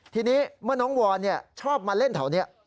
ทีนี้เมื่อหน้างวอร์นชอบมาเล่นเท่านี่